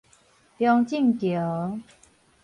中正橋